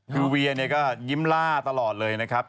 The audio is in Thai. คือเวียเนี่ยก็ยิ้มล่าตลอดเลยนะครับ